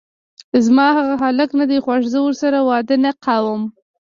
زما هغه هلک ندی خوښ، زه ورسره واده نکوم!